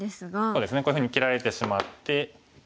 そうですねこういうふうに切られてしまって。